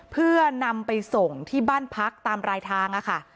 เพื่อนำไปส่งที่บ้านพักตามรายทางค่ะ